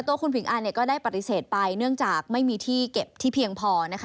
ตัวคุณผิงอันเนี่ยก็ได้ปฏิเสธไปเนื่องจากไม่มีที่เก็บที่เพียงพอนะคะ